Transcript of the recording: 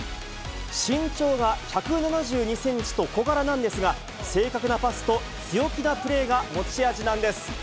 身長が１７２センチと小柄なんですが、正確なパスと強気なプレーが持ち味なんです。